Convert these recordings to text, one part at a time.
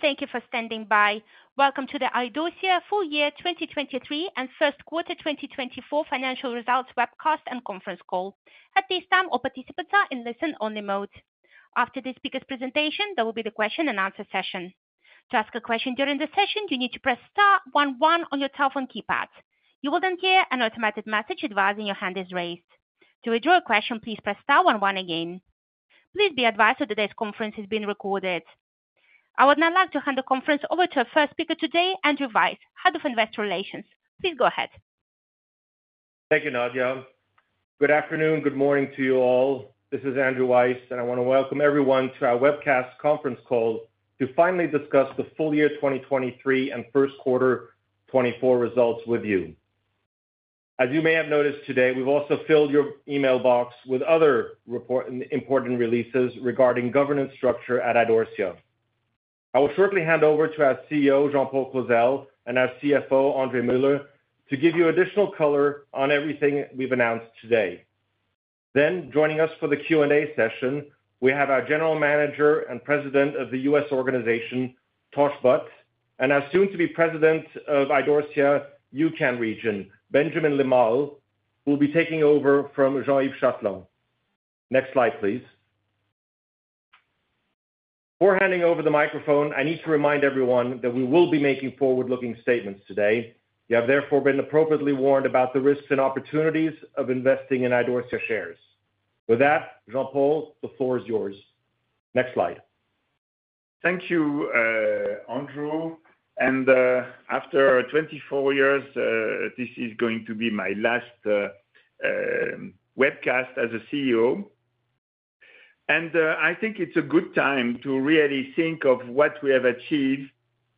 Thank you for standing by. Welcome to the Idorsia full year 2023 and first quarter 2024 financial results webcast and conference call. At this time, all participants are in listen-only mode. After the speaker's presentation, there will be the question and answer session. To ask a question during the session, you need to press star one one on your telephone keypad. You will then hear an automatic message advising your hand is raised. To withdraw a question, please press star one one again. Please be advised that today's conference is being recorded. I would now like to hand the conference over to our first speaker today, Andrew Weiss, Head of Investor Relations. Please go ahead. Thank you, Nadia. Good afternoon, good morning to you all. This is Andrew Weiss, and I want to welcome everyone to our webcast conference call to finally discuss the full year 2023 and first quarter 2024 results with you. As you may have noticed today, we've also filled your email box with other report, important releases regarding governance structure at Idorsia. I will shortly hand over to our CEO, Jean-Paul Clozel, and our CFO, André C. Muller, to give you additional color on everything we've announced today. Then, joining us for the Q&A session, we have our General Manager and President of the U.S. organization, Tosh Butt, and our soon to be President of Idorsia, U.K. region, Benjamin Li, who will be taking over from Jean-Yves Châtelain. Next slide, please. Before handing over the microphone, I need to remind everyone that we will be making forward-looking statements today. You have therefore been appropriately warned about the risks and opportunities of investing in Idorsia shares. With that, Jean-Paul, the floor is yours. Next slide. Thank you, Andrew, and, after 24 years, this is going to be my last webcast as a CEO. I think it's a good time to really think of what we have achieved,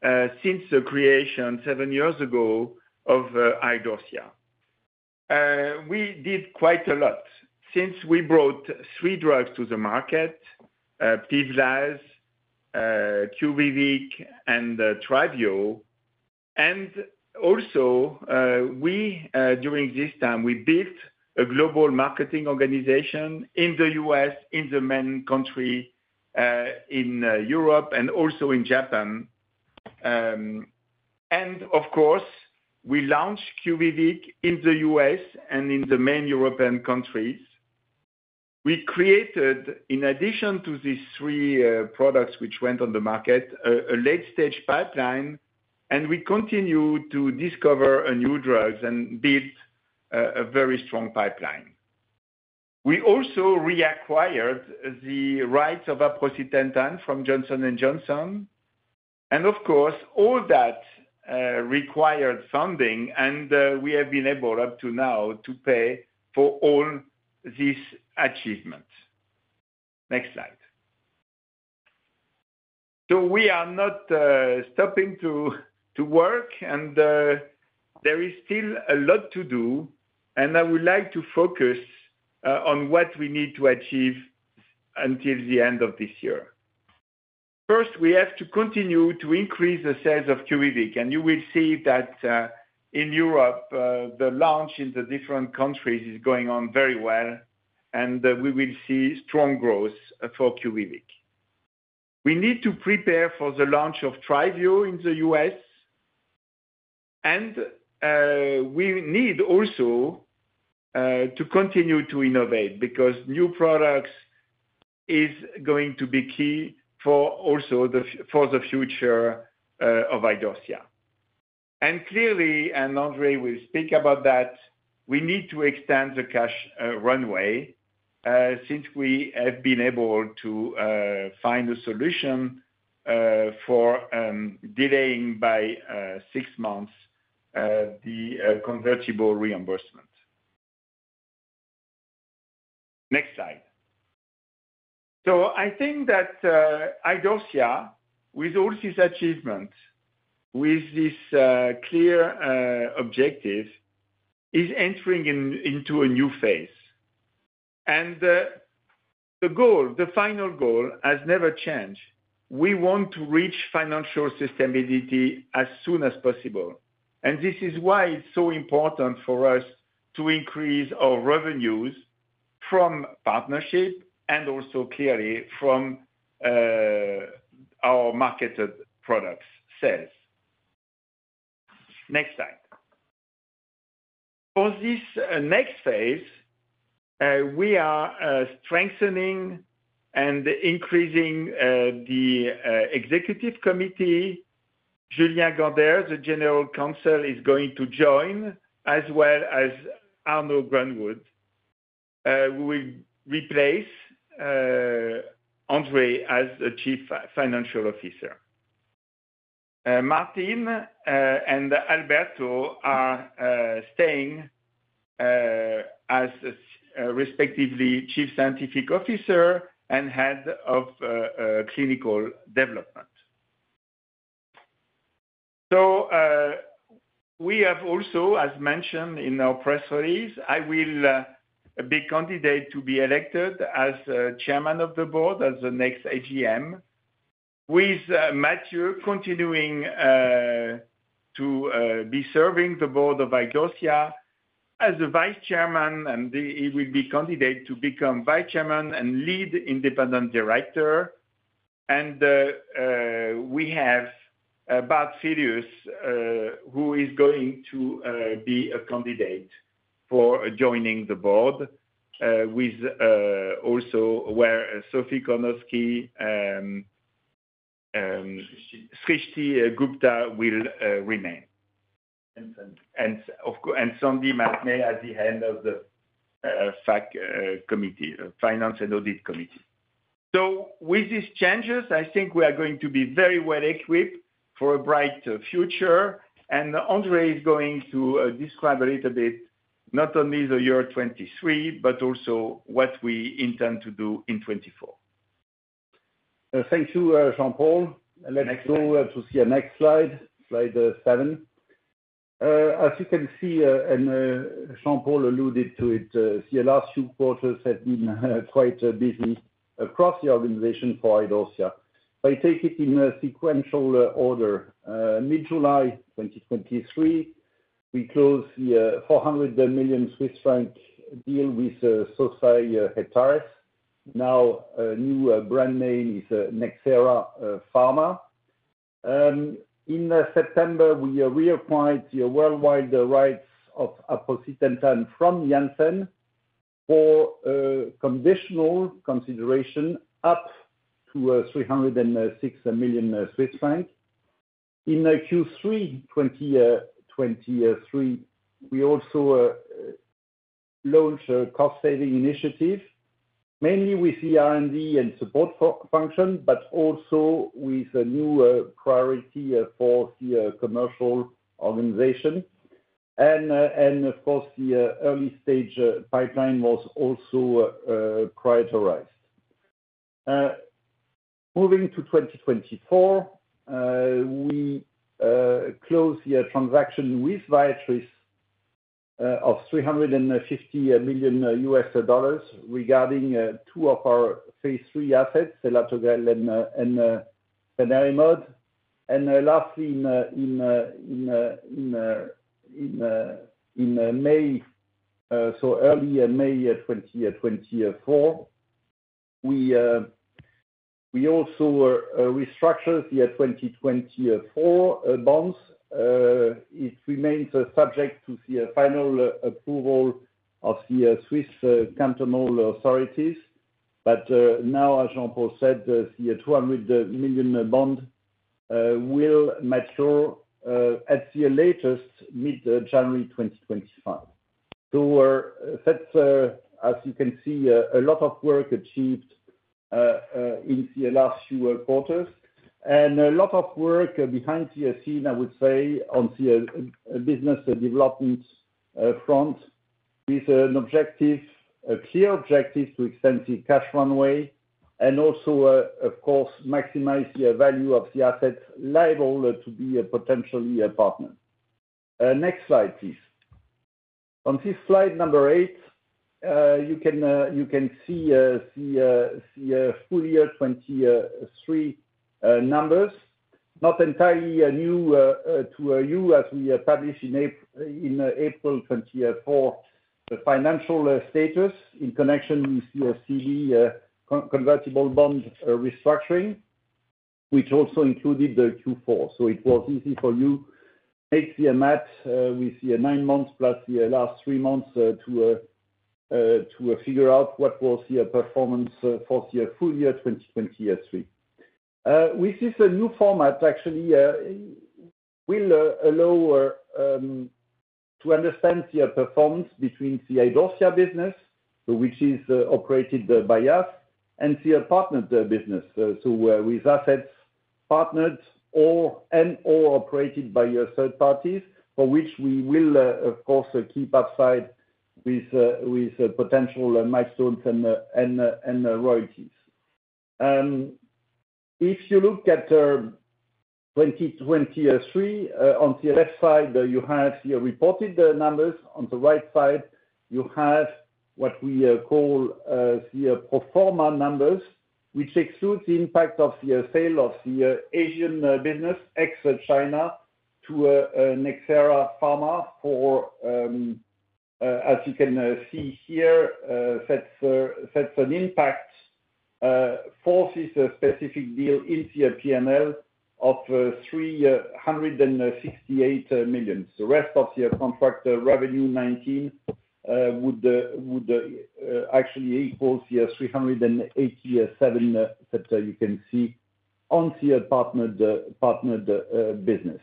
since the creation seven years ago of Idorsia. We did quite a lot. Since we brought three drugs to the market, PIVLAZ, QUVIVIQ, and TRYVIO. Also, during this time, we built a global marketing organization in the US, in the main country, in Europe, and also in Japan. Of course, we launched QUVIVIQ in the US and in the main European countries. We created, in addition to these three products, which went on the market, a late-stage pipeline, and we continued to discover new drugs and build a very strong pipeline. We also reacquired the rights of aprocitentan from Johnson & Johnson, and of course, all that required funding, and we have been able, up to now, to pay for all these achievements. Next slide. So we are not stopping to work, and there is still a lot to do, and I would like to focus on what we need to achieve until the end of this year. First, we have to continue to increase the sales of QUVIVIQ, and you will see that in Europe the launch in the different countries is going on very well, and we will see strong growth for QUVIVIQ. We need to prepare for the launch of TRYVIO in the US, and we need also to continue to innovate, because new products is going to be key for also for the future of Idorsia. And clearly, André will speak about that, we need to extend the cash runway, since we have been able to find a solution for delaying by six months the convertible redemption. Next slide. So I think that Idorsia, with all these achievements, with this clear objective, is entering into a new phase. And the goal, the final goal, has never changed. We want to reach financial sustainability as soon as possible, and this is why it's so important for us to increase our revenues from partnership and also clearly from our marketed products sales. Next slide. For this next phase, we are strengthening and increasing the executive committee. Julien Gander, the General Counsel, is going to join, as well as Arno Groenewoud. We will replace André as the Chief Financial Officer. Martine and Alberto are staying as respectively Chief Scientific Officer and Head of Clinical Development. So, we have also, as mentioned in our press release, I will be candidate to be elected as Chairman of the Board as the next AGM, with Matthew continuing to be serving the board of Idorsia as the Vice Chairman, and he will be candidate to become Vice Chairman and Lead Independent Director. We have Bart Filius, who is going to be a candidate for joining the board, with also where Sophie Kornowski. Srishti. Srishti Gupta will remain. And Sandy. and Sandy Mahatme as the Head of the Finance and Audit Committee. So with these changes, I think we are going to be very well equipped for a bright future. And André is going to describe a little bit, not only the year 2023, but also what we intend to do in 2024. Thank you, Jean-Paul. Let's go to see a next slide, slide 7. As you can see, and Jean-Paul alluded to it, the last few quarters have been quite busy across the organization for Idorsia. I take it in a sequential order. Mid-July 2023, we closed the 400 million Swiss franc deal with Sosei Heptares. Now, a new brand name is Nxera Pharma. In September, we reacquired the worldwide rights of aprocitentan from Janssen for conditional consideration up to 306 million Swiss francs. In Q3 2023, we also launched a cost saving initiative, mainly with the R&D and support function, but also with a new priority for the commercial organization. Of course, the early stage pipeline was also prioritized. Moving to 2024, we closed the transaction with Viatris of $350 million regarding two of our phase III assets, selatogrel and cenerimod. And last in May, so early in May 2024, we also restructured the 2024 bonds. It remains subject to the final approval of the Swiss cantonal authorities. But now, as Jean-Paul said, the 200 million bond will mature at the latest mid-January 2025. So, that's, as you can see, a lot of work achieved, in the last few quarters, and a lot of work behind the scene, I would say, on the, business and development, front, with an objective, a clear objective to extend the cash runway and also, of course, maximize the value of the assets liable to be a potential partner. Next slide, please. On this slide number eight, you can, you can see, the, the, full year 2023 numbers. Not entirely, new, to you, as we published in Ap- in, April 2024, the financial status in connection with the, CD, con- convertible bond, restructuring, which also included the Q4. It was easy for you make the math with the nine months plus the last three months to figure out what was the performance for the full year 2023. With this new format, actually, we'll allow to understand the performance between the Idorsia business, which is operated by us, and the partnered business. So with assets partnered or and/or operated by your third parties, for which we will of course keep upside with with potential milestones and royalties. If you look at 2023 on the left side, you have the reported numbers. On the right side, you have what we call the pro forma numbers, which excludes the impact of the sale of the Asian business, ex-China, to Nxera Pharma. For as you can see here, that's an impact forces a specific deal in the P&L of 368 million. The rest of the contract revenue 19 would actually equal the 387 million that you can see on the partnered business.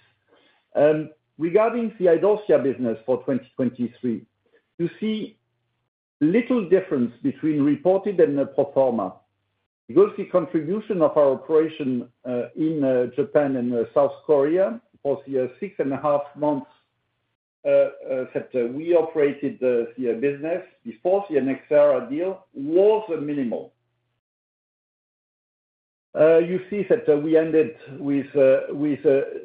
Regarding the Idorsia business for 2023, you see little difference between reported and the pro forma. Because the contribution of our operation in Japan and South Korea for the six and a half months that we operated the business before the Nxera deal was minimal. You see that we ended with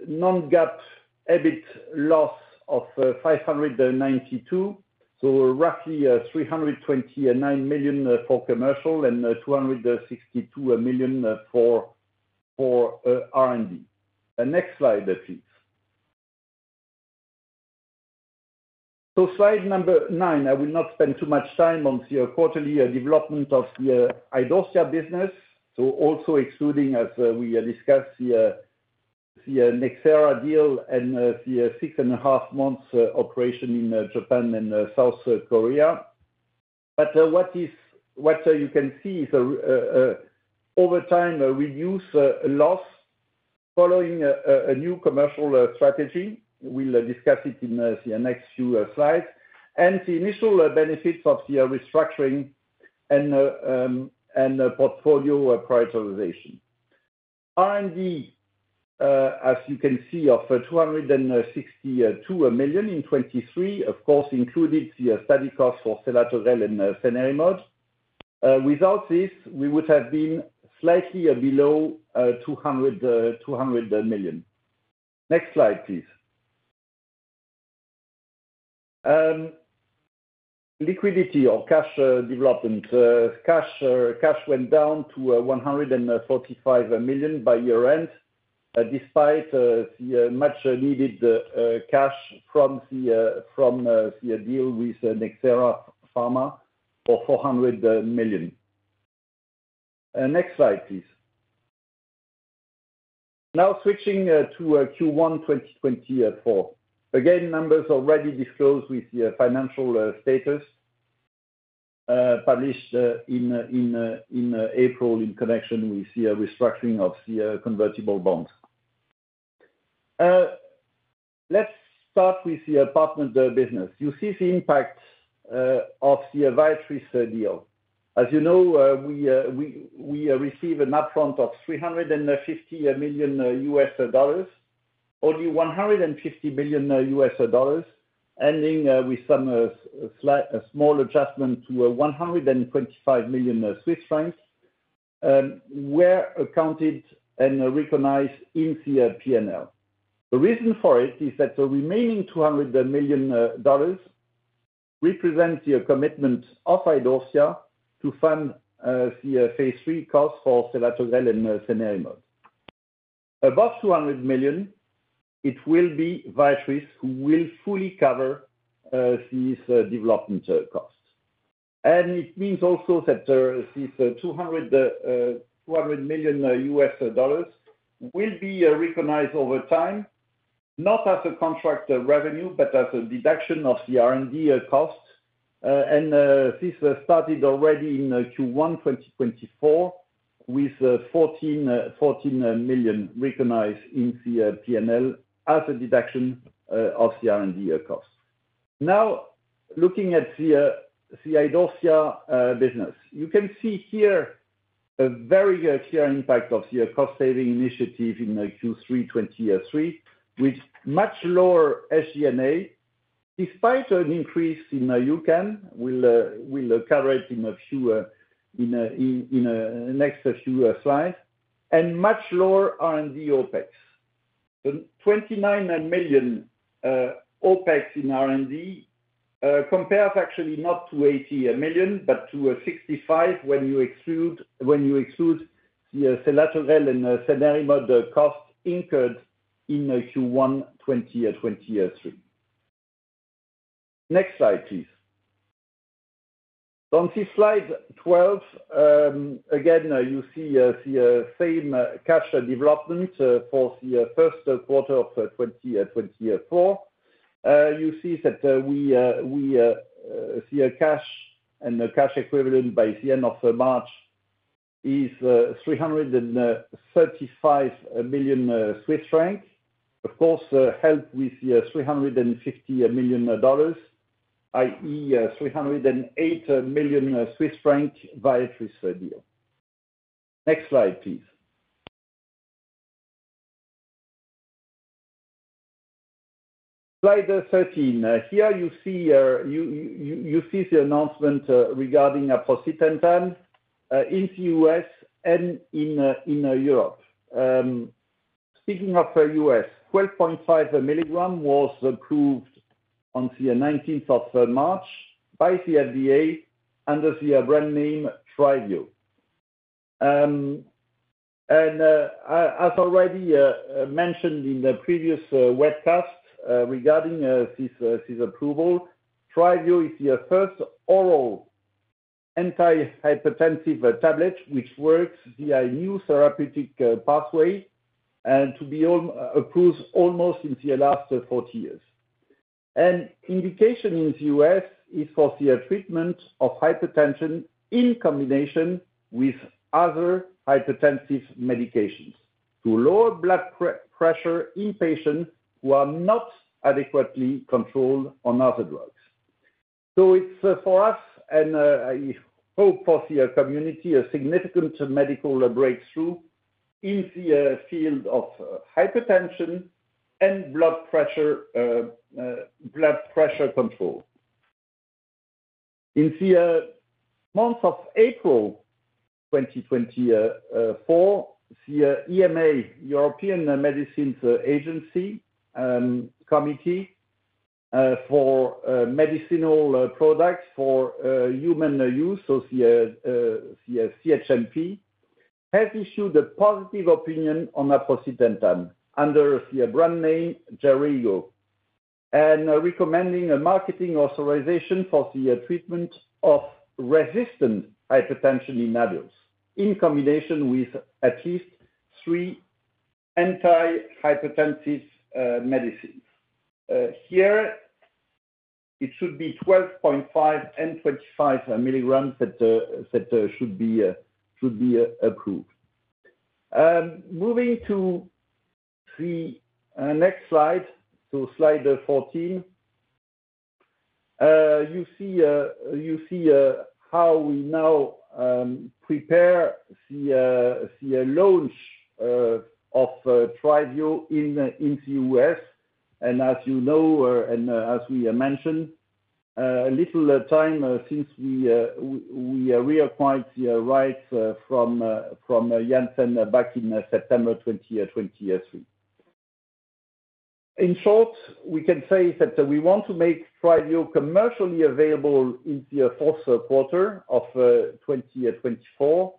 non-GAAP EBIT loss of 592 million. So roughly 329 million for commercial and 262 million for R&D. The next slide, please. So slide number 9, I will not spend too much time on the quarterly development of the Idorsia business. So also excluding, as we discussed, the Nxera deal and the 6.5 months operation in Japan and South Korea. But what you can see is over time, we use loss following a new commercial strategy. We'll discuss it in the next few slides. And the initial benefits of the restructuring and the portfolio prioritization. R&D, as you can see, of 262 million in 2023, of course, included the study cost for selatogrel and selinexor. Without this, we would have been slightly below 200 million. Next slide, please. Liquidity or cash development. Cash went down to 145 million by year-end, despite the much needed cash from the deal with Nxera Pharma for 400 million. Next slide, please. Now, switching to Q1 2024. Again, numbers already disclosed with the financial status published in April, in connection with the restructuring of the convertible bonds. Let's start with the apartment business. You see the impact of the Viatris deal. As you know, we receive an upfront of $350 million. Only $150 million, ending with some slight, a small adjustment to 125 million Swiss francs were accounted and recognized in the P&L. The reason for it is that the remaining $200 million represent the commitment of Idorsia to fund the phase III cost for selatogrel and cenerimod. Above $200 million, it will be Viatris who will fully cover these development costs. And it means also that this $200 million will be recognized over time, not as a contract revenue, but as a deduction of the R&D costs. And this started already in Q1 2024, with $14 million recognized in the P&L as a deduction of the R&D costs. Now, looking at the Idorsia business. You can see here a very clear impact of the cost-saving initiative in Q3 2023, with much lower SG&A, despite an increase in U.K., we'll cover it in the next few slides, and much lower R&D OpEx. The 29 million OpEx in R&D compares actually not to 80 million, but to a 65 when you exclude, when you exclude the selatogrel and selinexor costs incurred in Q1 2023. Next slide, please. On this slide 12, again, you see the same cash development for the first quarter of 2024. You see that we see a cash and the cash equivalents by the end of March is 335 million Swiss francs. Of course, helped with the $350 million, i.e., 308 million Swiss francs Viatris deal. Next slide, please. Slide 13. Here you see the announcement regarding apalutamide in the U.S. and in Europe. Speaking of the US, 12.5 milligram was approved on the nineteenth of March by the FDA under the brand name TRYVIO. As already mentioned in the previous webcast regarding this approval, TRYVIO is the first oral anti-hypertensive tablet, which works via a new therapeutic pathway, and to be approved almost in the last 40 years. Indication in the US is for the treatment of hypertension in combination with other hypertensive medications to lower blood pressure in patients who are not adequately controlled on other drugs. So it's for us, and I hope for the community, a significant medical breakthrough in the field of hypertension and blood pressure control. In the month of April 2024, the EMA, European Medicines Agency, Committee for Medicinal Products for Human Use, so the CHMP, has issued a positive opinion on aprocitentan under the brand name JERAYGO. Recommending a marketing authorization for the treatment of resistant hypertension in adults, in combination with at least three antihypertensive medicines. Here it should be 12.5 and 25 milligrams that should be approved. Moving to the next slide, to slide 14. You see how we now prepare the launch of TRYVIO in the US. As you know, and as we mentioned, a little time since we reacquired the rights from Janssen back in September 2023. In short, we can say that we want to make TRYVIO commercially available in the fourth quarter of 2024,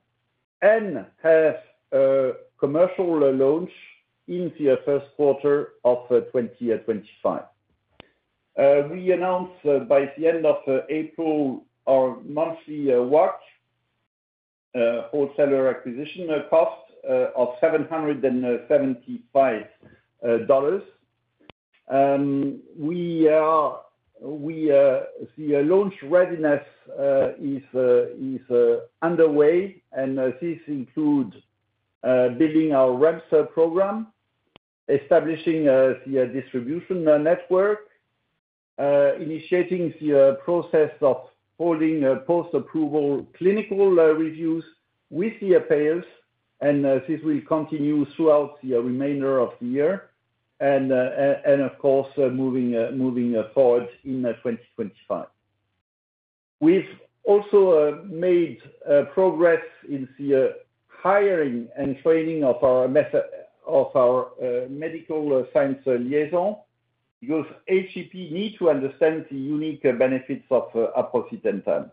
and have a commercial launch in the first quarter of 2025. We announce by the end of April, our monthly WAC of $775. The launch readiness is underway, and this includes building our reps program, establishing the distribution network, initiating the process of holding post-approval clinical reviews with the payers. This will continue throughout the remainder of the year, and of course, moving forward in 2025. We've also made progress in the hiring and training of our medical science liaison, because HCP need to understand the unique benefits of aprocitentan.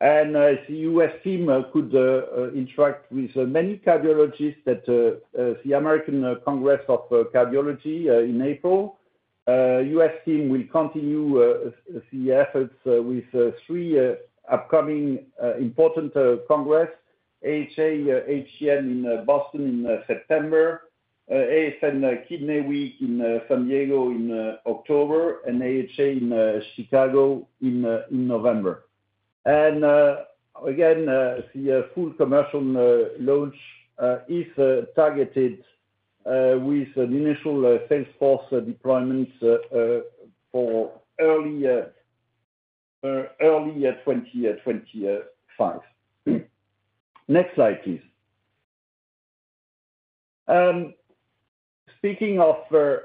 And as the US team could interact with many cardiologists at the American College of Cardiology in April, US team will continue the efforts with three upcoming important congress, AHA/HCN in Boston in September, AF and Kidney Week in San Diego in October, and AHA in Chicago in November. And, again, the full commercial launch is targeted with an initial salesforce deployments for early 2025. Next slide, please. Speaking of the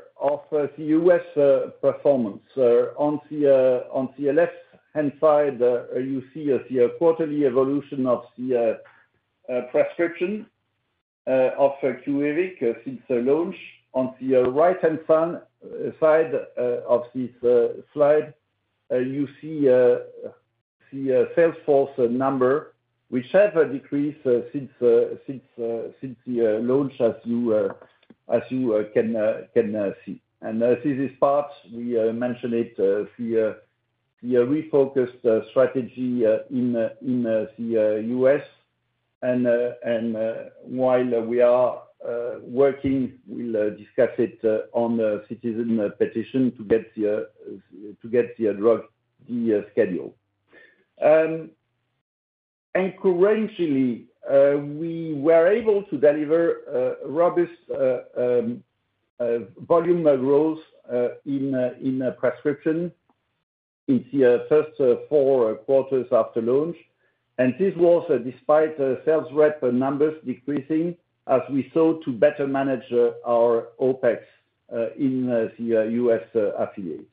U.S. performance, on the left-hand side, you see the quarterly evolution of the prescription of QUVIVIQ since the launch. On the right-hand side of this slide, you see a salesforce number, which has decreased since the launch, as you can see. And, this is part, we mentioned it, the refocused strategy in the U.S. While we are working, we'll discuss it on the citizen petition to get the drug schedule. Currently, we were able to deliver robust volume growth in prescription in the first four quarters after launch. And this was despite the sales rep numbers decreasing, as we sought to better manage our OpEx in the U.S. affiliate.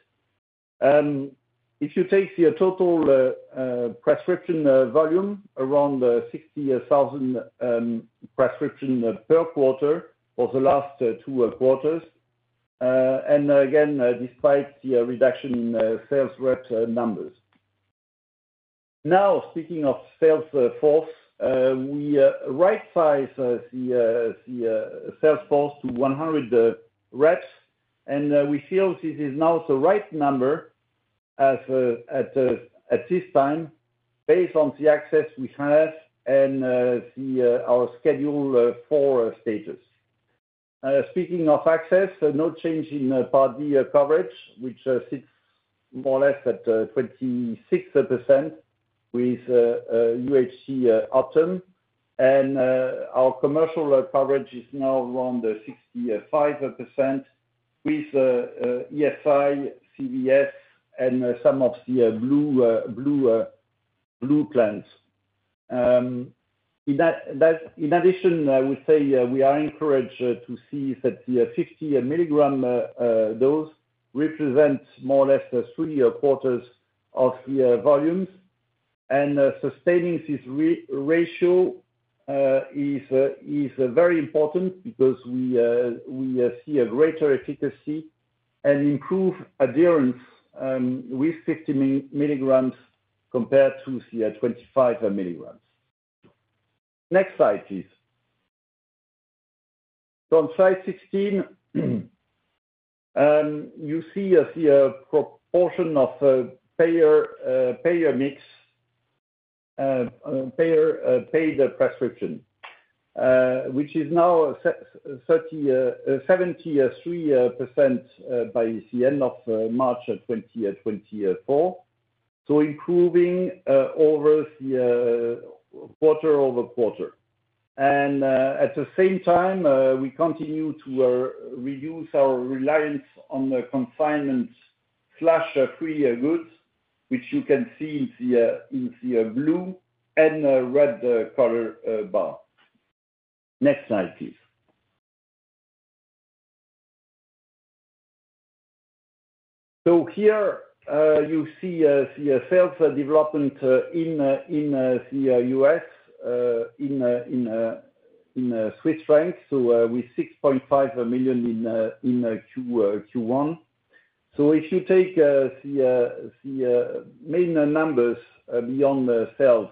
If you take the total prescription volume around 60,000 prescription per quarter for the last 2 quarters, and again, despite the reduction in sales rep numbers. Now, speaking of sales force, we rightsize the sales force to 100 reps, and we feel this is now the right number as at this time, based on the access we have and our Schedule IV status. Speaking of access, no change in Part D coverage, which sits more or less at 26% with UHC, Optum. Our commercial coverage is now around 65% with ESI, CVS, and some of the Blue plans. In addition, I would say, we are encouraged to see that the 50 mg dose represents more or less than three quarters of the volumes. Sustaining this ratio is very important because we see a greater efficacy and improve adherence with 50 milligrams compared to the 25 milligrams. Next slide, please. From slide 16, you see the proportion of payer mix, paid prescriptions, which is now 73% by the end of March 2024. So improving over the quarter-over-quarter. And at the same time, we continue to reduce our reliance on the consignment slash free goods, which you can see in the blue and red color bar. Next slide, please. So here, you see, the sales development in the US in Swiss francs. So, with 6.5 million in Q1. So if you take the main numbers beyond the sales,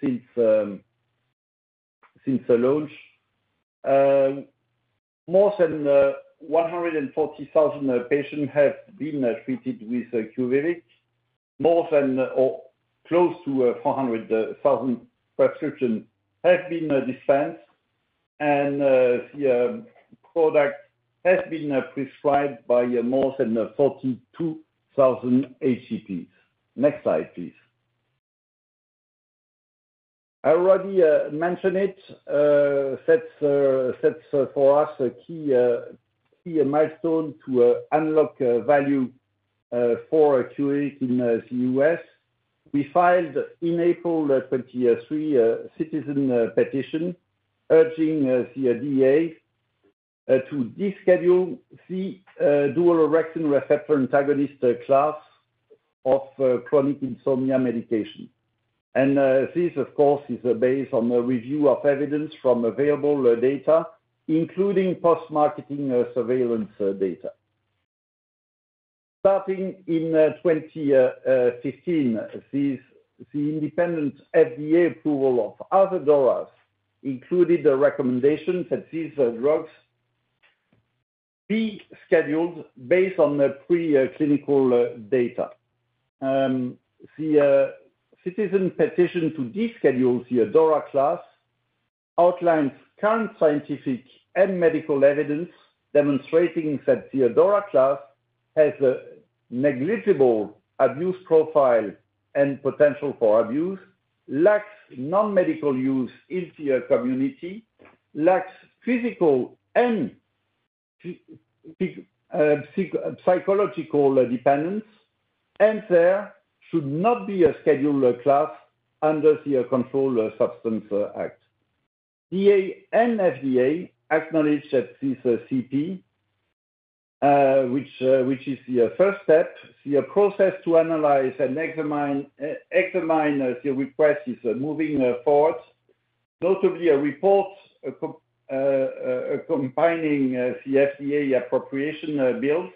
since the launch, more than 140,000 patients have been treated with QUVIVIQ. More than, or close to 400,000 prescription have been dispensed, and the product has been prescribed by more than 42,000 HCPs. Next slide, please. I already mentioned it, that's for us, a key milestone to unlock value for QUVIVIQ in the US. We filed in April 2023 a citizen petition urging the FDA to deschedule the dual orexin receptor antagonist class of chronic insomnia medication. This, of course, is based on a review of evidence from available data, including post-marketing surveillance data. Starting in 2015, the independent FDA approval of other DORAs included the recommendations that these drugs be scheduled based on the preclinical data. The citizen petition to deschedule the DORA class outlines current scientific and medical evidence demonstrating that the DORA class has a negligible abuse profile and potential for abuse, lacks non-medical use in the community, lacks physical and psychological dependence, and there should not be a scheduled class under the Controlled Substance Act. EMA and FDA acknowledge that this CP, which is the first step. The process to analyze and examine the request is moving forward. Those will be a report combining the FDA appropriation bills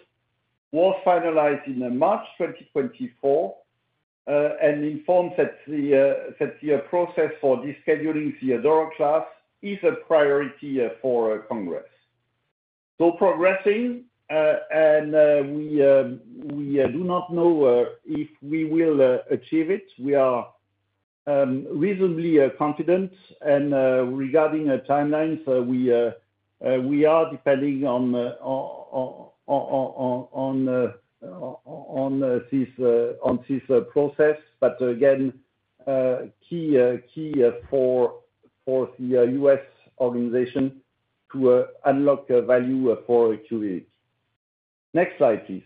was finalized in March 2024, and informed that the process for descheduling the DORA class is a priority for Congress. So progressing, and we do not know if we will achieve it. We are reasonably confident. And regarding the timelines, we are depending on this process. But again, key for the U.S. organization to unlock the value for Q8. Next slide, please.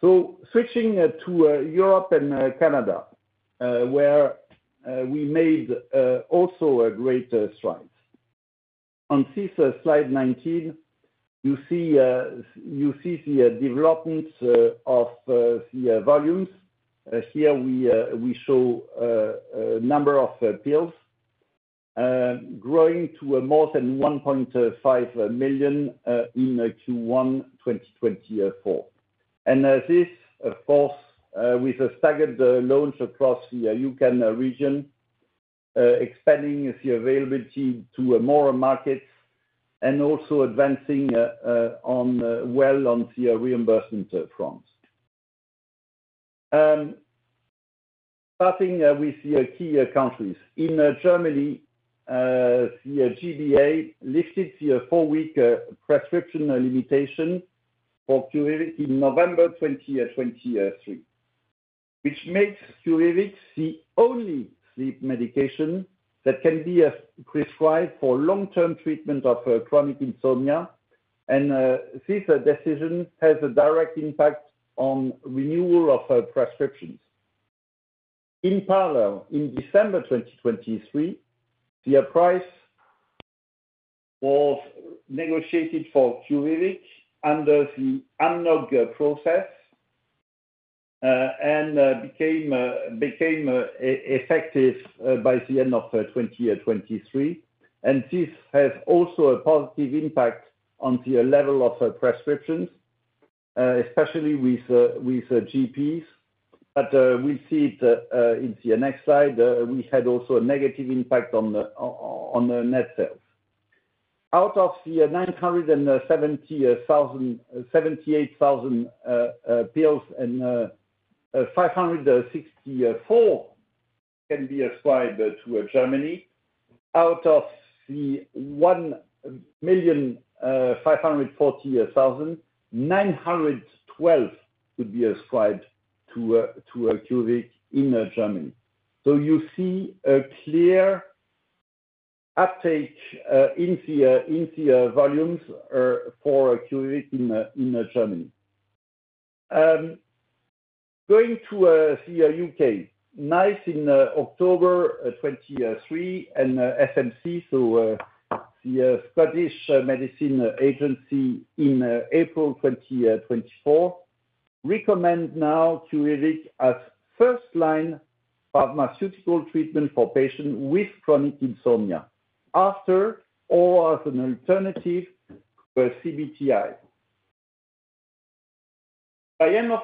So switching to Europe and Canada, where we made also great strides. On this slide 19, you see the developments of the volumes. Here we show a number of pills growing to more than 1.5 million in Q1 2024. And this, of course, with a staggered launch across the UK and the region, expanding the availability to more markets and also advancing, well, on the reimbursement fronts. Starting with the key countries. In Germany, the G-BA lifted the four-week prescription limitation for QUVIVIQ in November 2023, which makes QUVIVIQ the only sleep medication that can be prescribed for long-term treatment of chronic insomnia.... and this decision has a direct impact on renewal of prescriptions. In parallel, in December 2023, the price was negotiated for QUVIVIQ under the AMNOG process, and became effective by the end of 2023. And this has also a positive impact on the level of prescriptions, especially with GPs. But we see it in the next slide, we had also a negative impact on the net sales. Out of the 978,564 pills can be ascribed to Germany. Out of the 1,540,912 could be ascribed to QUVIVIQ in Germany. So you see a clear uptake in the volumes for QUVIVIQ in Germany. Going to the UK. NICE in October 2023 and SMC, so the Scottish Medicines Consortium in April 2024 recommend now QUVIVIQ as first-line pharmaceutical treatment for patients with chronic insomnia, after or as an alternative, CBTI. By end of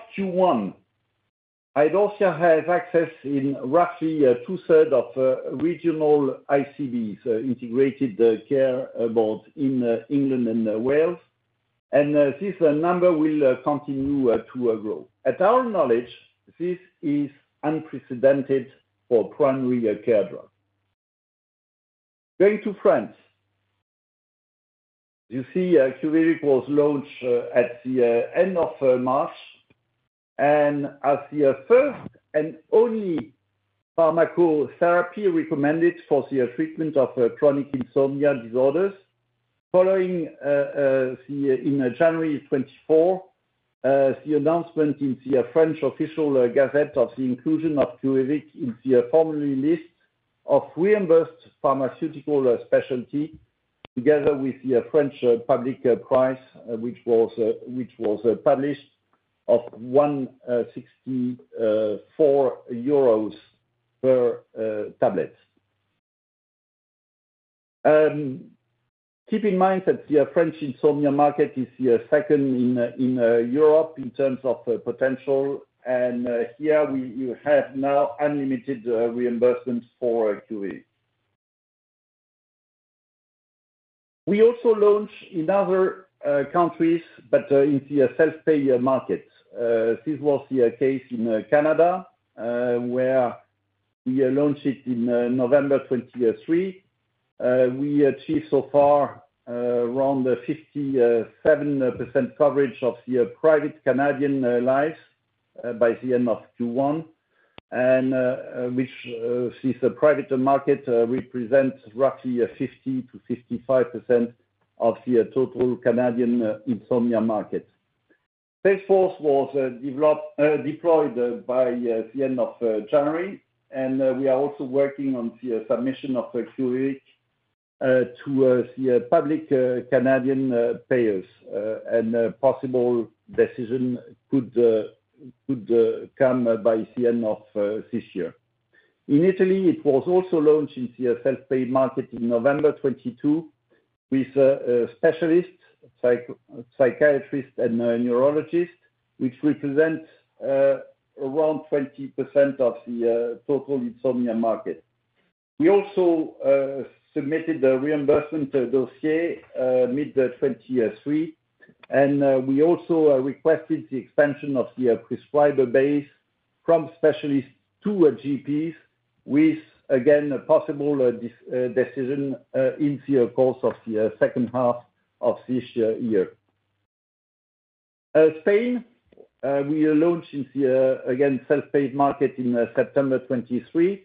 Q1, I'd also have access in roughly two-thirds of regional ICBs, Integrated Care Boards in England and Wales, and this number will continue to grow. To our knowledge, this is unprecedented for primary care drug. Going to France. You see, QUVIVIQ was launched at the end of March, and as the first and only pharmacotherapy recommended for the treatment of chronic insomnia disorders. Following the announcement in January 2024 in the French Official Gazette of the inclusion of QUVIVIQ in the formal list of reimbursed pharmaceutical specialty, together with the French public price, which was published as 164 euros per tablet. Keep in mind that the French insomnia market is the second in Europe in terms of potential, and here we—you have now unlimited reimbursements for QUVIVIQ. We also launch in other countries, but in the self-pay market. This was the case in Canada, where we launched it in November 2023. We achieved so far around 57% coverage of the private Canadian lives by the end of Q1, and which this private market represents roughly 50%-55% of the total Canadian insomnia market. Sales force was developed, deployed by the end of January, and we are also working on the submission of QUVIVIQ to the public Canadian payers. A possible decision could come by the end of this year. In Italy, it was also launched in the self-pay market in November 2022 with a specialist, psychiatrist and a neurologist, which represent around 20% of the total insomnia market. We also submitted a reimbursement dossier mid-2023, and we also requested the expansion of the prescriber base from specialists to a GPs with, again, a possible decision in the course of the second half of this year. Spain, we launched in the self-pay market again in September 2023.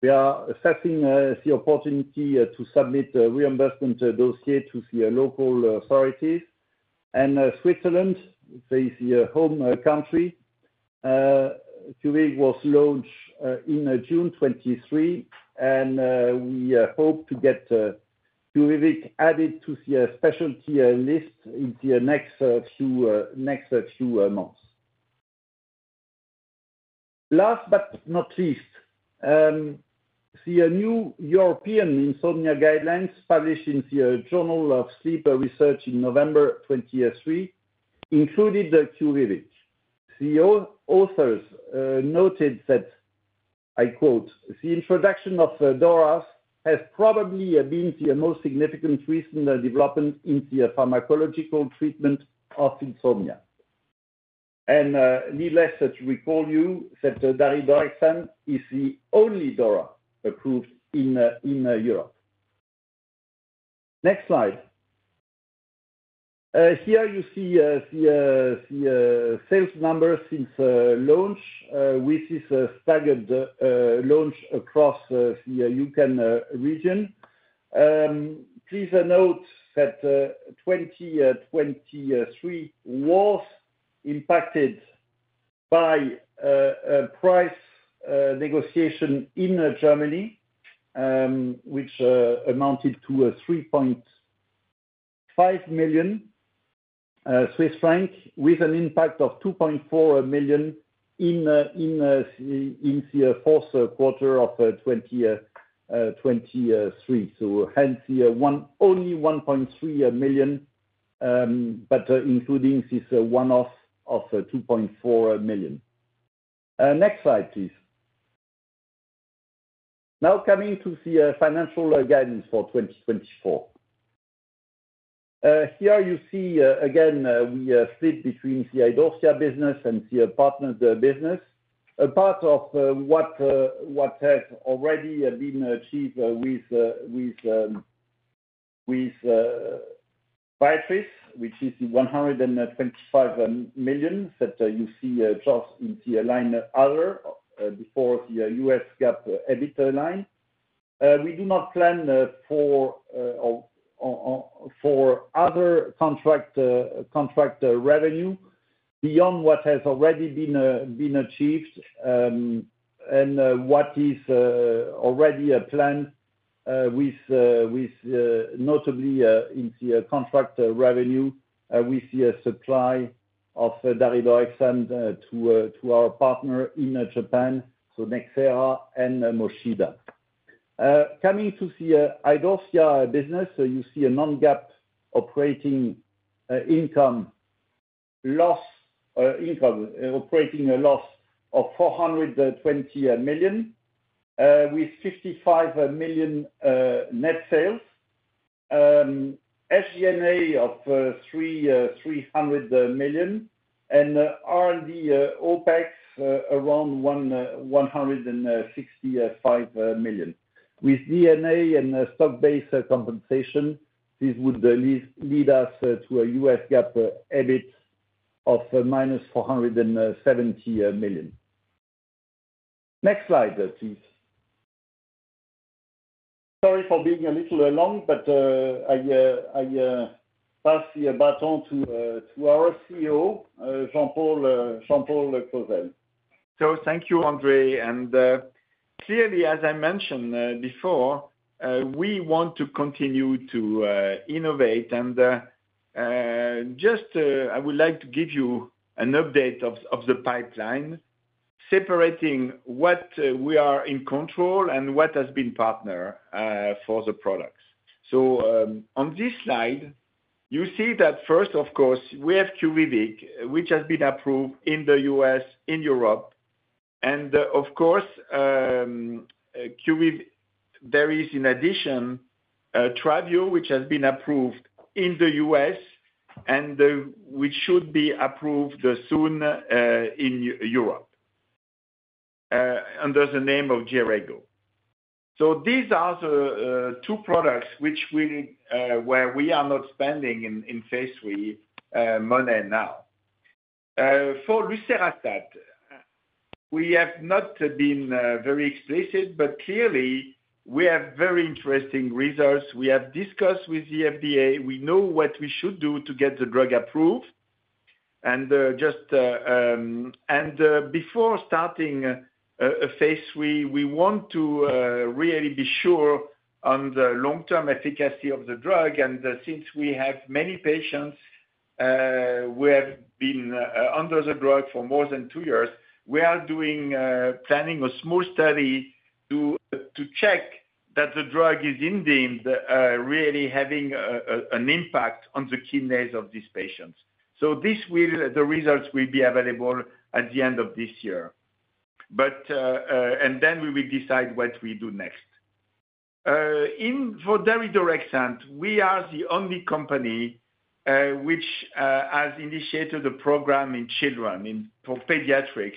We are assessing the opportunity to submit a reimbursement dossier to the local authorities. Switzerland is the home country. QUVIVIQ was launched in June 2023, and we hope to get QUVIVIQ added to the specialty list in the next few months. Last but not least, the new European Insomnia Guidelines published in the Journal of Sleep Research in November 2023 included the QUVIVIQ. The authors noted that I quote, "The introduction of the DORAs has probably been the most significant recent development in the pharmacological treatment of insomnia." Needless to recall you that daridorexant is the only DORA approved in Europe. Next slide. Here you see the sales numbers since launch, which is a staggered launch across the UK and region. Please note that 2023 was impacted by a price negotiation in Germany, which amounted to a 3.5 million Swiss franc, with an impact of 2.4 million in the fourth quarter of 2023. So hence, the one only 1.3 million, but including this one-off of 2.4 million. Next slide, please. Now coming to the financial guidance for 2024. Here you see, again, we split between the Idorsia business and the partner business. A part of what has already been achieved with Biotris, which is 125 million that you see just in the line other before the US GAAP EBITDA line. We do not plan for other contract revenue beyond what has already been achieved, and what is already planned with notably in the contract revenue with the supply of daridorexant to our partner in Japan, so Nxera and Mochida. Coming to the Idorsia business, so you see a non-GAAP operating loss of 420 million with 55 million net sales, SG&A of 300 million, and R&D OPEX around 165 million. With D&A and stock-based compensation, this would lead us to a US GAAP EBIT of minus 470 million. Next slide please. Sorry for being a little long, but I pass the baton to our CEO, Jean-Paul Clozel. So thank you, André, and clearly, as I mentioned before, we want to continue to innovate, and just I would like to give you an update of the pipeline, separating what we are in control and what has been partner for the products. So on this slide, you see that first, of course, we have QUVIVIQ, which has been approved in the U.S., in Europe, and of course there is in addition TRYVIO, which has been approved in the U.S. and which should be approved soon in Europe under the name of JERAYGO. So these are the two products which we where we are not spending in phase III money now. For lucerastat, we have not been very explicit, but clearly we have very interesting results. We have discussed with the FDA. We know what we should do to get the drug approved. And before starting a phase III, we want to really be sure on the long-term efficacy of the drug. And since we have many patients who have been under the drug for more than two years, we are doing planning a small study to check that the drug is indeed really having an impact on the kidneys of these patients. So the results will be available at the end of this year, but then we will decide what we do next. And for daridorexant, we are the only company, which, has initiated a program in children, in, for pediatrics.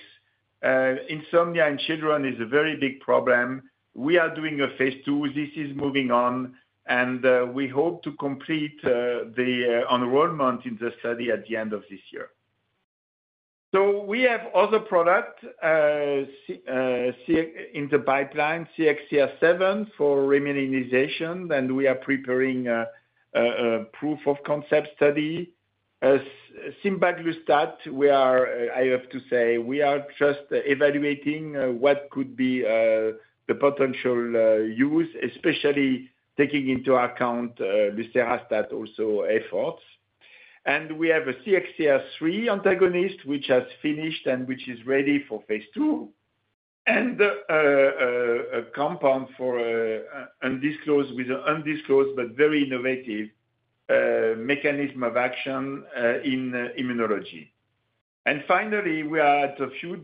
Insomnia in children is a very big problem. We are doing a phase II. This is moving on, and, we hope to complete, the, enrollment in the study at the end of this year. So we have other product in the pipeline, CXCR7, for remyelination, and we are preparing, a proof of concept study. As sinbaglestat, we are, I have to say, we are just evaluating, what could be, the potential, use, especially taking into account, ruseostatin also efforts. We have a CXCR3 antagonist, which has finished and which is ready for phase II, and a compound for undisclosed, with undisclosed, but very innovative mechanism of action in immunology. And finally, we are a few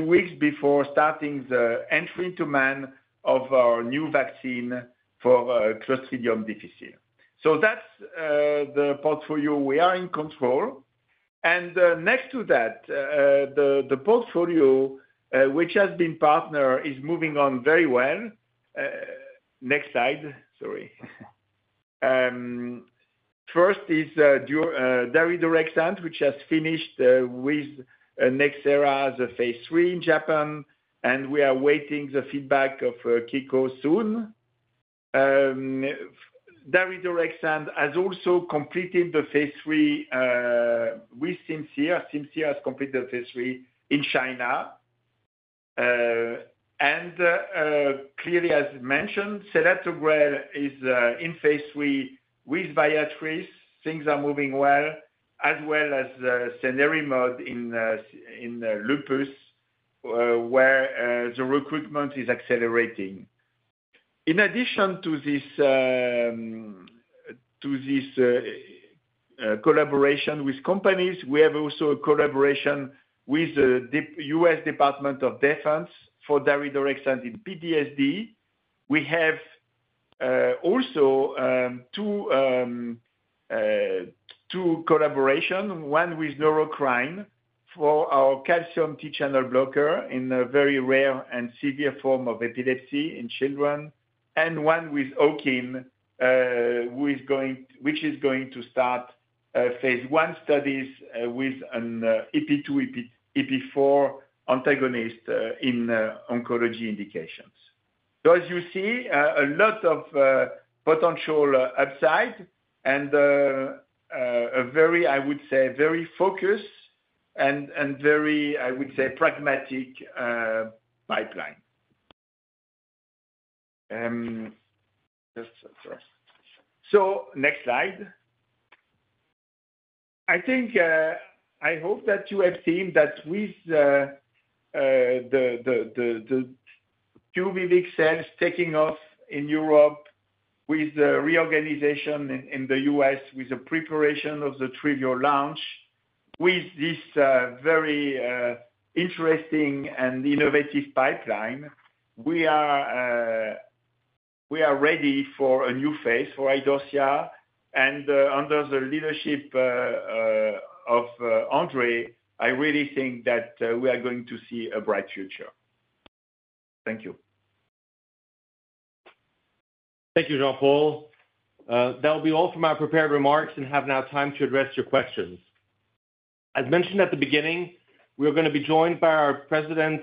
weeks before starting the entry to man of our new vaccine for Clostridium difficile. So that's the portfolio we are in control. And next to that, the portfolio which has been partnered is moving on very well. Next slide. Sorry. First is our daridorexant, which has finished with Nxera the phase III in Japan, and we are waiting the feedback of PMDA soon. Daridorexant has also completed the phase III with Simcere. Simcere has completed the phase III in China. And, clearly, as mentioned, selatogrel is in phase III with Viatris. Things are moving well, as well as cenerimod in lupus, where the recruitment is accelerating. In addition to this, collaboration with companies, we have also a collaboration with the US Department of Defense for daridorexant in PTSD. We have also two collaborations, one with Neurocrine for our calcium T-channel blocker in a very rare and severe form of epilepsy in children, and one with Owkin, which is going to start phase I studies with an EP4 antagonist in oncology indications. So as you see, a lot of potential upside and a very, I would say, very focused and very, I would say, pragmatic pipeline. So next slide. I think I hope that you have seen that with the QUVIVIQ sales taking off in Europe with the reorganization in the US, with the preparation of the TRYVIO launch, with this very interesting and innovative pipeline, we are ready for a new phase for Idorsia. And under the leadership of André, I really think that we are going to see a bright future. Thank you. Thank you, Jean-Paul. That will be all from our prepared remarks and have now time to address your questions. As mentioned at the beginning, we are gonna be joined by our President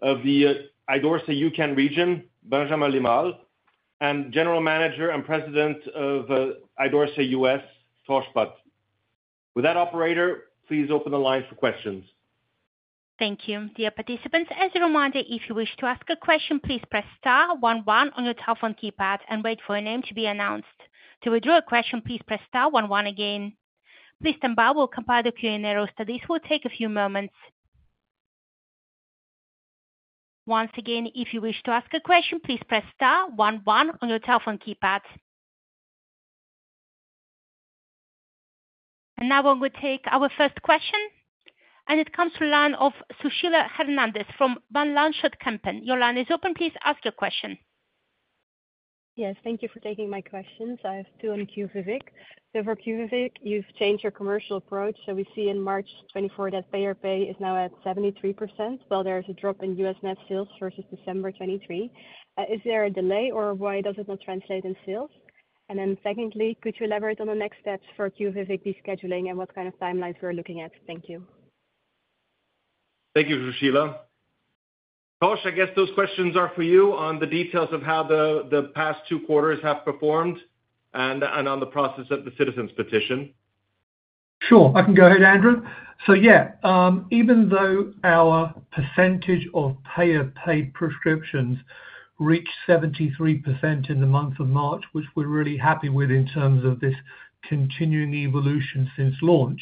of the Idorsia UK region, Benjamin Li, and General Manager and President of Idorsia US, Tosh Butt. With that, operator, please open the line for questions. Thank you. Dear participants, as a reminder, if you wish to ask a question, please press star one one on your telephone keypad and wait for your name to be announced. To withdraw a question, please press star one one again. Please stand by, we'll compile the Q&A roster. This will take a few moments. Once again, if you wish to ask a question, please press star one one on your telephone keypad. Now we will take our first question, and it comes from line of Sushila Hernandez from Van Lanschot Kempen. Your line is open, please ask your question. Yes, thank you for taking my questions. I have two on QUVIVIQ. So for QUVIVIQ, you've changed your commercial approach, so we see in March 2024 that payer pay is now at 73%, while there is a drop in U.S. net sales versus December 2023. Is there a delay, or why does it not translate in sales? And then secondly, could you elaborate on the next steps for QUVIVIQ descheduling and what kind of timelines we're looking at? Thank you. Thank you, Sushila. Tosh, I guess those questions are for you on the details of how the past two quarters have performed and on the process of the citizen petition. Sure, I can go ahead, Andrew. So yeah, even though our percentage of payer paid prescriptions reached 73% in the month of March, which we're really happy with in terms of this continuing evolution since launch,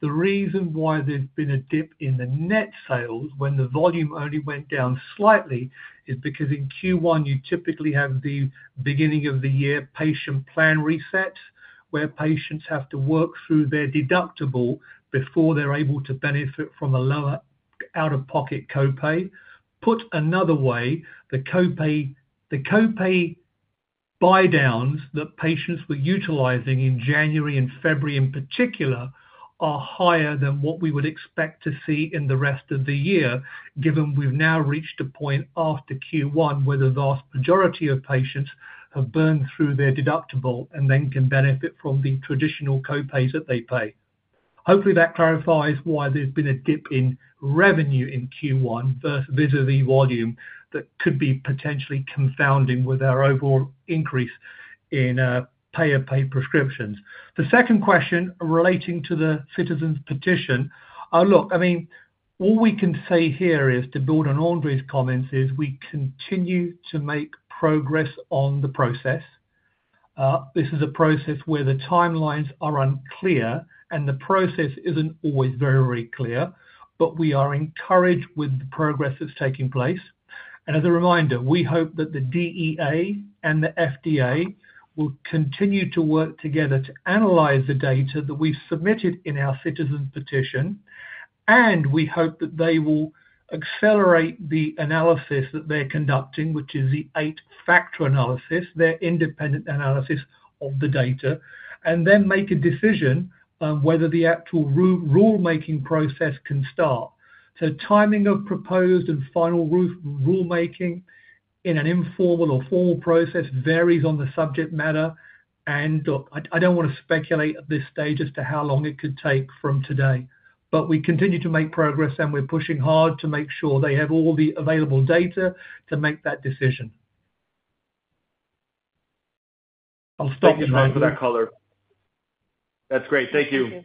the reason why there's been a dip in the net sales when the volume only went down slightly, is because in Q1, you typically have the beginning of the year patient plan reset, where patients have to work through their deductible before they're able to benefit from a lower out-of-pocket co-pay. Put another way, the co-pay, the co-pay buy downs that patients were utilizing in January and February in particular, are higher than what we would expect to see in the rest of the year, given we've now reached a point after Q1, where the vast majority of patients have burned through their deductible and then can benefit from the traditional co-pays that they pay. Hopefully, that clarifies why there's been a dip in revenue in Q1 versus vis-à-vis volume that could be potentially confounding with our overall increase in payer paid prescriptions. The second question relating to the citizen petition. Look, I mean, all we can say here is, to build on André's comments, we continue to make progress on the process. This is a process where the timelines are unclear and the process isn't always very clear, but we are encouraged with the progress that's taking place. And as a reminder, we hope that the DEA and the FDA will continue to work together to analyze the data that we've submitted in our citizen petition, and we hope that they will accelerate the analysis that they're conducting, which is the eight-factor analysis, their independent analysis of the data, and then make a decision on whether the actual rulemaking process can start. So timing of proposed and final rulemaking in an informal or formal process varies on the subject matter. Look, I, I don't want to speculate at this stage as to how long it could take from today, but we continue to make progress, and we're pushing hard to make sure they have all the available data to make that decision.... Thank you, John, for that color. That's great. Thank you. Thank you.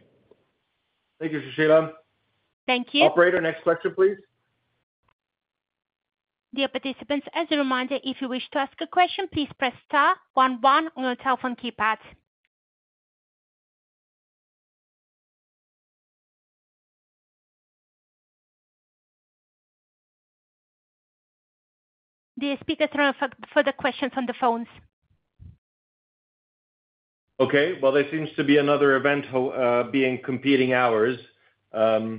Thank you, Sushila. Thank you. Operator, next question, please. Dear participants, as a reminder, if you wish to ask a question, please press star one one on your telephone keypad. The speaker for the questions on the phones. Okay. Well, there seems to be another event being competing ours. So,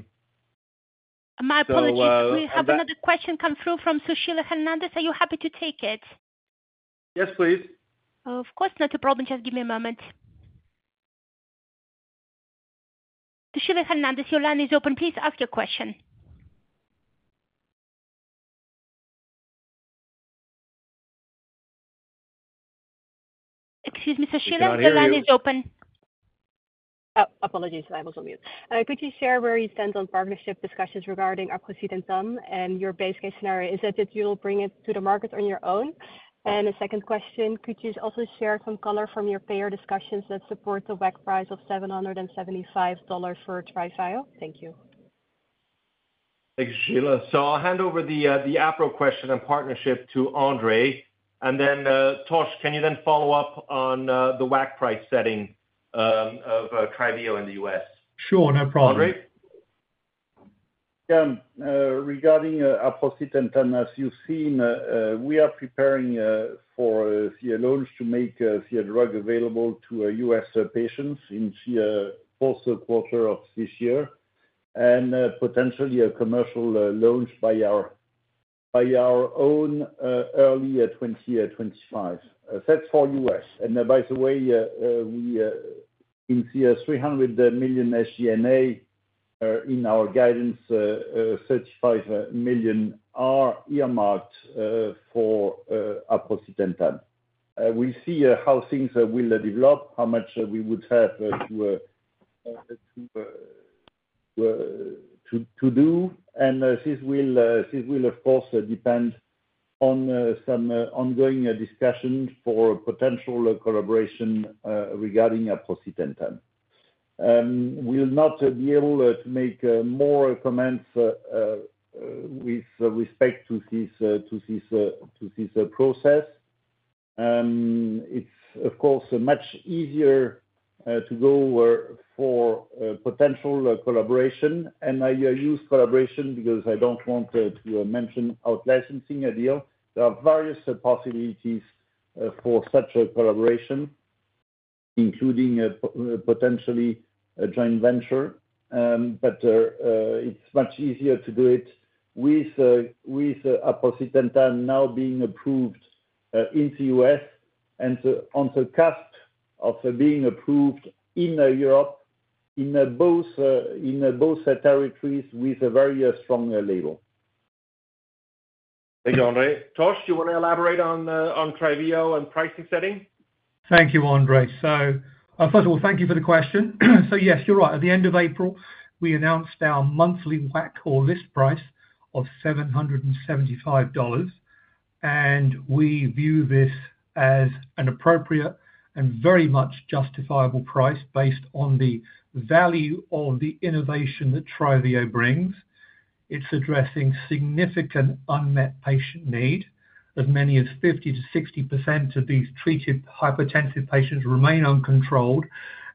My apologies. We have another question come through from Sushila Hernandez. Are you happy to take it? Yes, please. Of course. Not a problem. Just give me a moment. Sushila Hernandez, your line is open. Please ask your question. Excuse me, Sushila- We can't hear you. Your line is open. Oh, apologies. I was on mute. Could you share where you stand on partnership discussions regarding aprocitentan and your base case scenario? Is it that you'll bring it to the market on your own? The second question, could you also share some color from your payer discussions that support the WAC price of $775 for TRYVIO? Thank you. Thanks, Sushila So I'll hand over the aprocitentan question and partnership to André. And then, Tosh, can you then follow up on the WAC price setting of TRYVIO in the U.S.? Sure. No problem. Andre? Regarding aprocitentan, as you've seen, we are preparing for the launch to make the drug available to U.S. patients in the second quarter of this year. Potentially a commercial launch by our own early 2025. That's for U.S. By the way, in the 300 million SG&A in our guidance, 35 million are earmarked for aprocitentan. We see how things will develop, how much we would have to do. This will of course depend on some ongoing discussions for potential collaboration regarding aprocitentan. We'll not be able to make more comments with respect to this process. It's of course much easier to go forward for potential collaboration. I use collaboration because I don't want to mention out-licensing a deal. There are various possibilities for such a collaboration, including potentially a joint venture. But it's much easier to do it with aprocitentan now being approved in the U.S. and on the cusp of being approved in Europe, in both territories with a very strong label. Thank you, André. Tosh, you want to elaborate on TRYVIO and pricing setting? Thank you, André. So, first of all, thank you for the question. So yes, you're right. At the end of April, we announced our monthly WAC or list price of $775, and we view this as an appropriate and very much justifiable price based on the value of the innovation that TRYVIO brings. It's addressing significant unmet patient need. As many as 50%-60% of these treated hypertensive patients remain uncontrolled,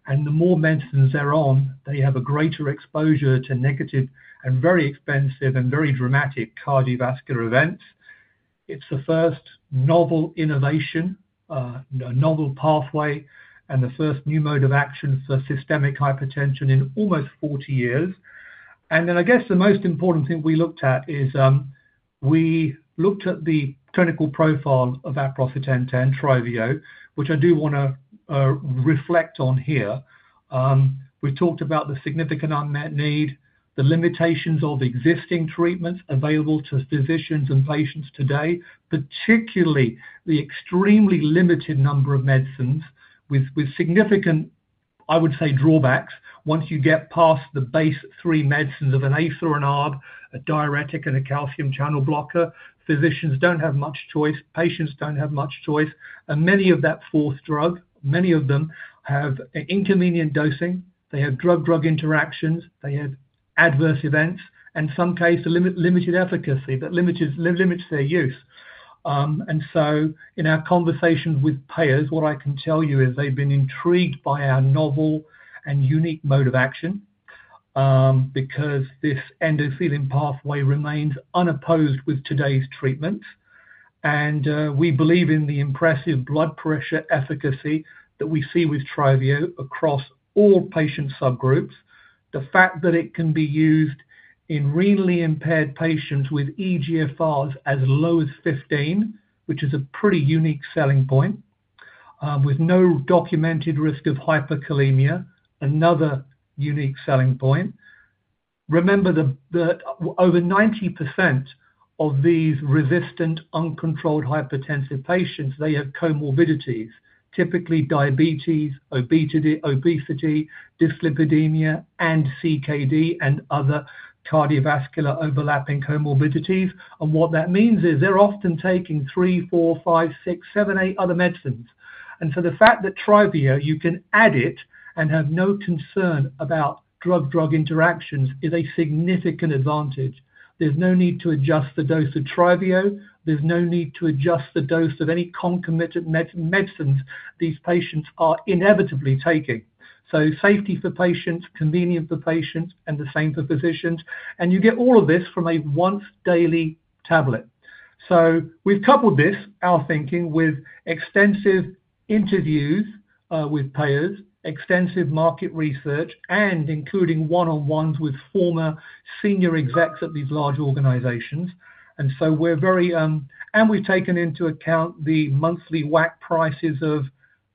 and the more medicines they're on, they have a greater exposure to negative and very expensive and very dramatic cardiovascular events. It's the first novel innovation, novel pathway, and the first new mode of action for systemic hypertension in almost 40 years. And then I guess the most important thing we looked at is, we looked at the clinical profile of aprocitentan, TRYVIO, which I do want to reflect on here. We talked about the significant unmet need, the limitations of existing treatments available to physicians and patients today, particularly the extremely limited number of medicines with significant, I would say, drawbacks. Once you get past the base three medicines of an ACE or an ARB, a diuretic, and a calcium channel blocker, physicians don't have much choice, patients don't have much choice. And many of that fourth drug, many of them have inconvenient dosing, they have drug-drug interactions, they have adverse events, and some case, a limited efficacy that limits their use. And so in our conversations with payers, what I can tell you is they've been intrigued by our novel and unique mode of action, because this endothelin pathway remains unopposed with today's treatment. And we believe in the impressive blood pressure efficacy that we see with TRYVIO across all patient subgroups. The fact that it can be used in renally impaired patients with eGFR as low as 15, which is a pretty unique selling point, with no documented risk of hyperkalemia, another unique selling point. Remember the over 90% of these resistant, uncontrolled hypertensive patients, they have comorbidities, typically diabetes, obesity, dyslipidemia, and CKD, and other cardiovascular overlapping comorbidities. And what that means is they're often taking three, four, five, six, seven, eight other medicines. And so the fact that TRYVIO, you can add it and have no concern about drug-drug interactions is a significant advantage. There's no need to adjust the dose of TRYVIO. There's no need to adjust the dose of any concomitant medicines these patients are inevitably taking. So safety for patients, convenience for patients, and the same for physicians, and you get all of this from a once daily tablet. So we've coupled this, our thinking, with extensive interviews with payers, extensive market research, and including one-on-ones with former senior execs at these large organizations. We've taken into account the monthly WAC prices of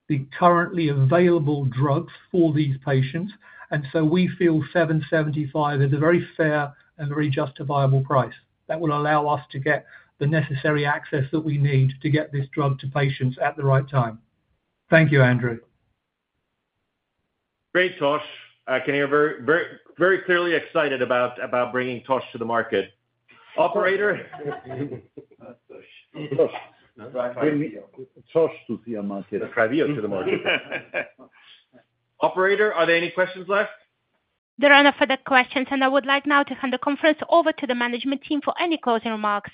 the currently available drugs for these patients, and so we feel $775 is a very fair and very justifiable price that will allow us to get the necessary access that we need to get this drug to patients at the right time. Thank you, Andrew. Great, Tosh. I can hear very, very, very clearly. Excited about bringing Tosh to the market. Operator? Tosh. Tosh. Trivio. Tosh to the market. TRYVIO to the market. Operator, are there any questions left? There are no further questions, and I would like now to hand the conference over to the management team for any closing remarks.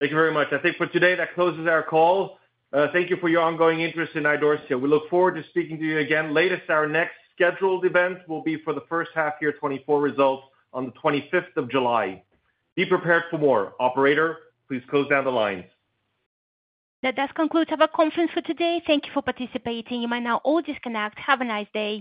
Thank you very much. I think for today, that closes our call. Thank you for your ongoing interest in Idorsia. We look forward to speaking to you again. Lastly, our next scheduled event will be for the first half year 2024 results on the 25th of July. Be prepared for more. Operator, please close down the lines. That does conclude our conference for today. Thank you for participating. You might now all disconnect. Have a nice day.